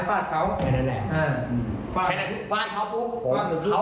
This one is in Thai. กระถางต้นไม้ฝ้านเขา